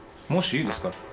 いいですか？